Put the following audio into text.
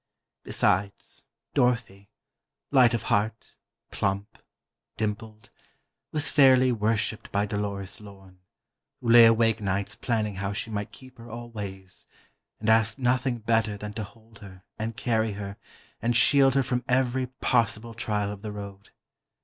Besides, Dorothy—light of heart, plump, dimpled—was fairly worshiped by Dolores Lorne, who lay awake nights planning how she might keep her always, and asked nothing better than to hold her and carry her and shield her from every possible trial of the road.